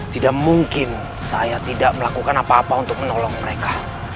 tidak mungkin saya tidak melakukan apa apa untuk menolong mereka